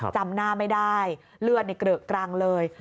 จำหน้าไม่ได้เลือดเกรอะกรังเลย